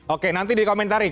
oke nanti dikomentari